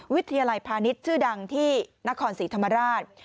วิทยาลัยพาณิชย์ชื่อดังที่นครศรีธรรมราช